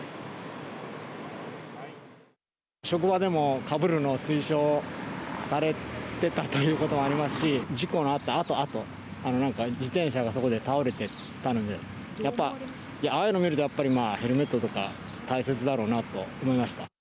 職場でもかぶるのは推奨されていたということもありますし事故のあったあと自転車がそこで倒れていたのでやっぱりああいうのを見るとヘルメットとか大切だろうなと思いました。